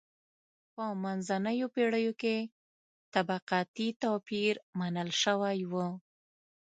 په منځنیو پېړیو کې طبقاتي توپیر منل شوی و.